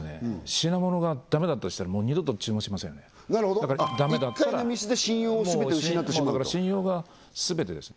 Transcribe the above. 品物がダメだったとしたらもう二度と注文しませんだからダメだったらなるほど１回のミスで信用を全て失ってしまうとだから信用が全てですよ